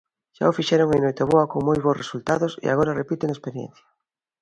Xa o fixeron en Noiteboa con moi bos resultados e agora repiten experiencia.